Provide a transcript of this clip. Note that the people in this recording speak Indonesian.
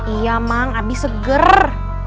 iya mak habis seger